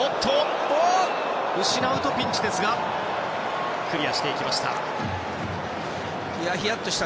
失うとピンチですがクリアしました。